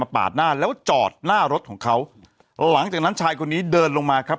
ปาดหน้าแล้วจอดหน้ารถของเขาหลังจากนั้นชายคนนี้เดินลงมาครับ